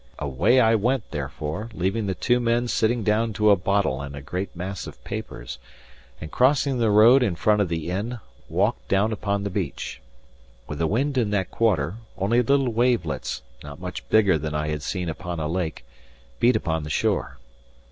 Away I went, therefore, leaving the two men sitting down to a bottle and a great mass of papers; and crossing the road in front of the inn, walked down upon the beach. With the wind in that quarter, only little wavelets, not much bigger than I had seen upon a lake, beat upon the shore.